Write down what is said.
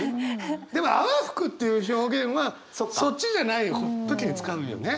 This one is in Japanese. でも「泡吹く」っていう表現はそっちじゃない時に使うよね。